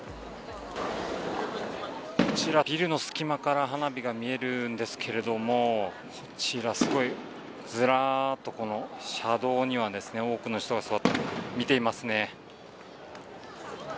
こちら、ビルの隙間から花火が見えるんですけれどもずらっと車道には多くの人が座って見ていますね。